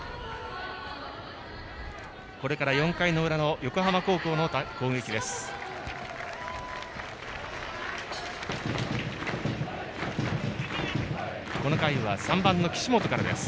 これから４回の裏の横浜高校の攻撃です。